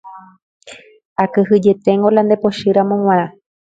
akyhyjeténgo la nde pochýramo g̃uarã